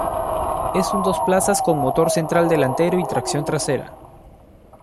Es un dos plazas con motor central delantero y tracción trasera.